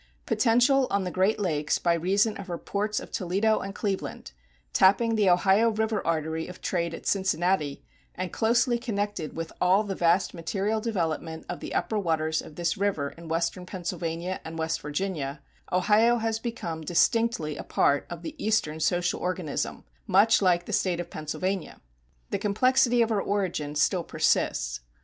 Potential on the Great Lakes by reason of her ports of Toledo and Cleveland, tapping the Ohio river artery of trade at Cincinnati, and closely connected with all the vast material development of the upper waters of this river in western Pennsylvania and West Virginia, Ohio has become distinctly a part of the eastern social organism, much like the State of Pennsylvania. The complexity of her origin still persists.